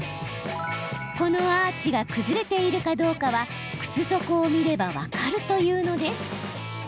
このアーチが崩れているかどうかは靴底を見れば分かるというのです。